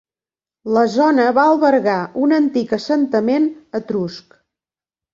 La zona va albergar un antic assentament etrusc.